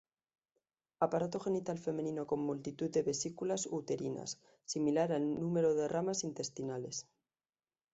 Aparato genital femenino con multitud de vesículas uterinas, similar al número de ramas intestinales.